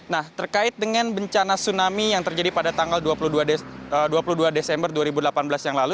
nah terkait dengan bencana tsunami yang terjadi pada tanggal dua puluh dua desember dua ribu delapan belas yang lalu